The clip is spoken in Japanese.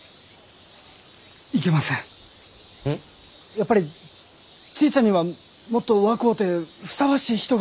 やっぱりちぃちゃんにはもっと若うてふさわしい人が！